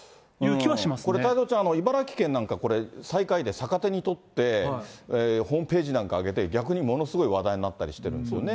これ、太蔵ちゃん、茨城県なんかこれ最下位で、逆手にとって、ホームページなんか上げて逆にものすごい話題になったりしてるんですよね。